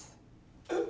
えっ？